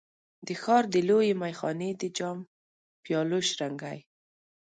د ښار د لویې میخانې د جام، پیالو شرنګی